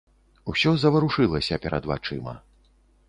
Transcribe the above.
Усё заварушылася перад вачыма.